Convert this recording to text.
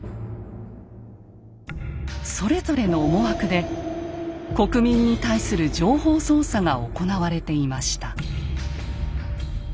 それぞれの思惑で国民に対する情報操作が行われていました。